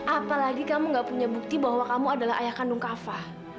apalagi kamu gak punya bukti bahwa kamu adalah ayah kandung kafa